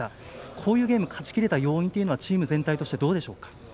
こういうゲーム勝ちきれた要因というのはチーム全体としてどうでしょうか。